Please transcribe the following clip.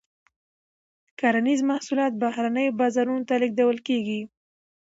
کرنیز محصولات بهرنیو بازارونو ته لیږل کیږي.